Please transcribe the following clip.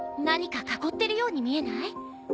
何か囲ってるように見えない？